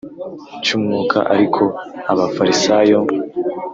Cy umwuka ariko abafarisayo